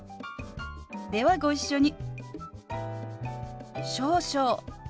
ではご一緒に。